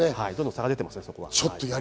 差が出ています。